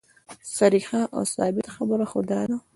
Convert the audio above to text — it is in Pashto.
صریحه او ثابته خبره خو دا ده.